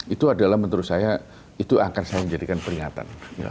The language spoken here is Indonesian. itu adalah menurut saya itu akan saya menjadikan peringatan